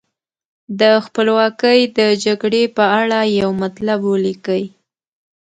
د خپلواکۍ د جګړې په اړه یو مطلب ولیکئ.